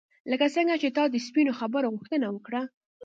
لکه څنګه چې تا د سپینو خبرو غوښتنه وکړه.